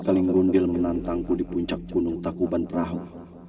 kping xolotl lawan acabou no tatik untuk cadangan tuhan